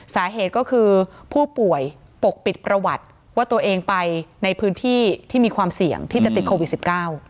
สาเหตุก็คือผู้ป่วยปกปิดประวัติว่าตัวเองไปในพื้นที่ที่มีความเสี่ยงที่จะติดโควิดสิบเก้า